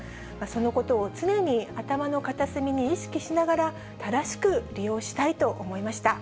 そのことを常に頭の片隅に意識しながら、正しく利用したいと思いました。